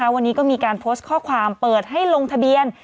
วันนี้ก็มีการโพสต์ข้อความเปิดให้ลงทะเบียน